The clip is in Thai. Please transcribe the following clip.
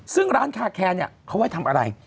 ซึ่งร้านคาแคร์เขาว่าจะทำอะไร